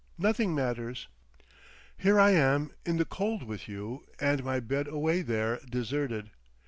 Nothing matters. Here I am in the cold with you and my bed away there deserted.